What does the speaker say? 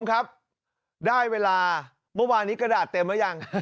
ครับได้เวลาเมื่อวานนี้กระดาษเต็มหรือยัง